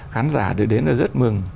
khán giả được đến là rất mừng